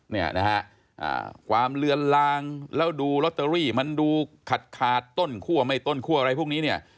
เนี่ยนะฮะความเลือนลางแล้วดูลอตเตอรี่มันดูขาดขาดต้นคั่วไม่ต้นคั่วอะไรพวกนี้เนี่ย